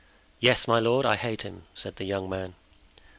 "Yes, my lord, I hate him!" said the young man.